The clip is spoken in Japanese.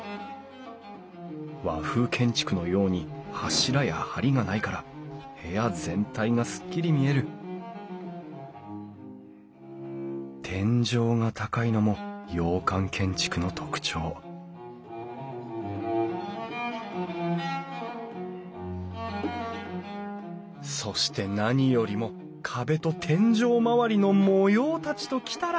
和風建築のように柱や梁がないから部屋全体がすっきり見える天井が高いのも洋館建築の特徴そして何よりも壁と天井周りの模様たちときたら！